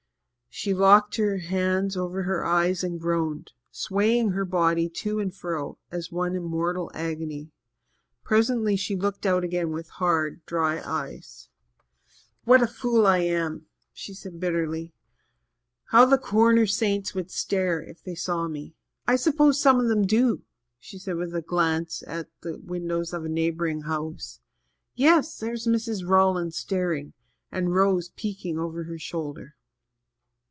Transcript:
She locked her hands over her eyes and groaned, swaying her body to and fro as one in mortal agony. Presently she looked out again with hard, dry eyes. "What a fool I am!" she said bitterly. "How the Corner saints would stare if they saw me! I suppose some of them do " with a glance at the windows of a neighbouring house. "Yes, there's Mrs. Rawlings staring out and Rose peeking over her shoulder."